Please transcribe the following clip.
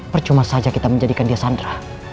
percuma saja kita menjadikan dia sandra